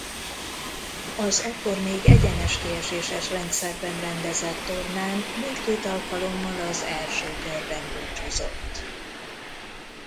Az akkor még egyenes kieséses rendszerben rendezett tornán mindkét alkalommal az első körben búcsúzott.